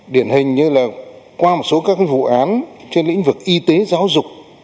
điển hình như là qua một số các vụ án trên lĩnh vực y tế giáo dục